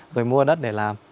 rồi mua đất để làm